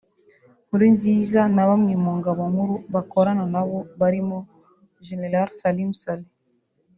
Nkurunziza na bamwe mu ngabo nkuru bakorana nabo barimo General Salim Saleh